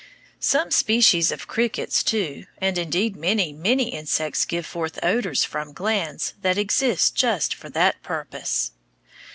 Some species of crickets, too, and indeed many, many insects give forth odors from glands that exist just for that purpose.